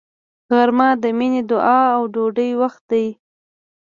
غرمه د مینې، دعا او ډوډۍ وخت دی